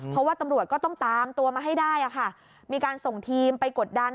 เพราะว่าตำรวจก็ต้องตามตัวมาให้ได้ค่ะมีการส่งทีมไปกดดัน